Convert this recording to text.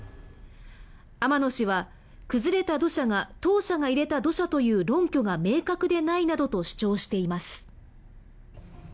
天野氏は、崩れた土砂が当社が入れた土砂という論拠が明確でないなどと主張しています。